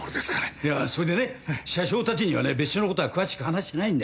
いやそれでね車掌たちにはね別所の事は詳しく話してないんだよ。